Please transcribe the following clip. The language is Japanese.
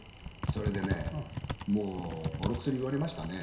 それでねもうぼろくそに言われましたね。